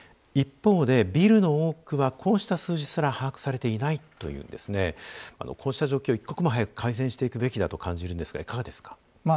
一方でビルの多くはこうした数字すら把握されていないというこうした状況、一刻も早く改善していくべきだと思うんですがいかがですか？